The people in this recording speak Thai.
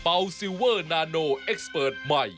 อ้าวประหลักของเขา